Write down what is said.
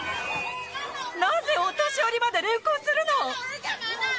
なぜお年寄りまで連行するの？